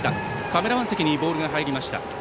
カメラマン席にボールが入りました。